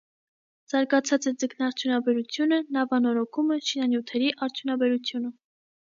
Զարգացած է ձկնարդյունաբերությունը, նավանորոգումը, շինանյութերի արդյունաբերությունը։